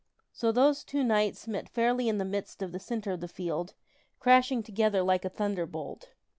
So those two knights met fairly in the midst of the centre of the field, crashing together like a thunderbolt.